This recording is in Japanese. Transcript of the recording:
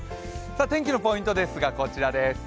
天気のポイントですが、こちらです。